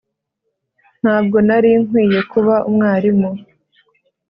Ntabwo nari nkwiye kuba umwarimu